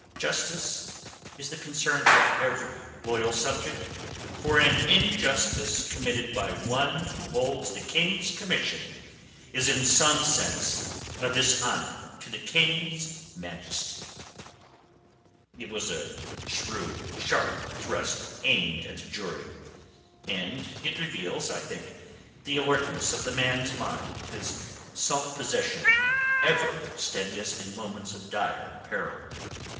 "Justice is the concern of every loyal subject, for an injustice committed by one who holds the King's commission is in some sense a dishonour to the King's majesty." It was a shrewd, sharp thrust aimed at the jury, and it reveals, I think, the alertness of the man's mind, his self possession ever steadiest in moments of dire peril.